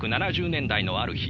１９７０年代のある日